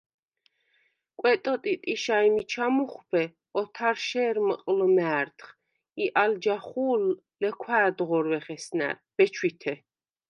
კვეტო ტიტიშა ი მიჩა მუხვბე ოთარშე̄რმჷყ ლჷმა̈რდხ ი ალ ჯახუ̄ლ ლქვ’ ა̄̈დღორვეხ ესნა̈რ, ბეჩვითე.